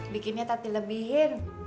bikinnya tadi lebihin